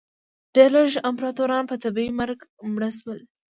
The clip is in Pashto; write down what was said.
ډېر لږ امپراتوران په طبیعي مرګ مړه شول